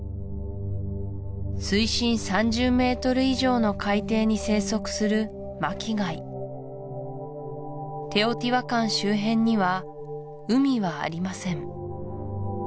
水深３０ｍ以上の海底に生息する巻き貝テオティワカン周辺には海はありません